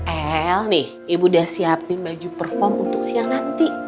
el nih ibu udah siapin baju perform untuk siang nanti